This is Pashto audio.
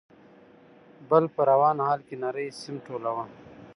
، بل په روان حال کې نری سيم ټولاوه.